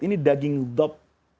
ini daging dab